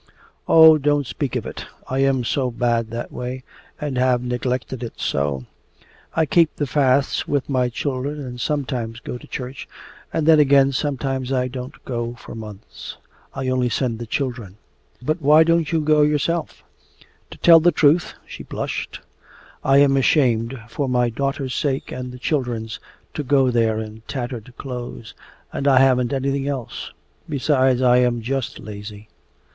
'Oh, don't speak of it. I am so bad that way, and have neglected it so! I keep the fasts with the children and sometimes go to church, and then again sometimes I don't go for months. I only send the children.' 'But why don't you go yourself?' 'To tell the truth' (she blushed) 'I am ashamed, for my daughter's sake and the children's, to go there in tattered clothes, and I haven't anything else. Besides, I am just lazy.